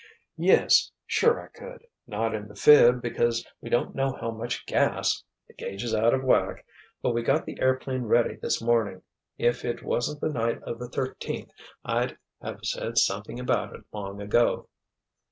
"Yes—sure I could! Not in the 'phib' because we don't know how much gas—the gauge is out of whack—but we got the airplane ready this morning—if it wasn't the night of the thirteenth I'd have said something about it long ago!"